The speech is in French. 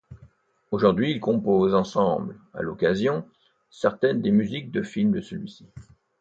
Aujourd'hui, ils composent ensemble, à l'occasion, certaines des musiques de films de celui-ci.